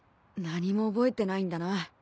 何も覚えてないんだな。